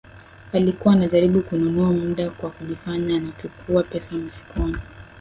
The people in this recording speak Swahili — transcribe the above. Alikuwa anajaribu kununua muda kwa kujifanya anapekua pesa mifukoni